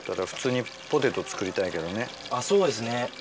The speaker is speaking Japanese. あっそうですね。